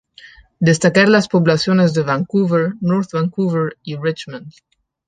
Destacar las poblaciones de Vancouver, North Vancouver y Richmond.